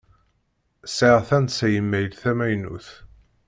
Sεiɣ tansa imayl tamaynut.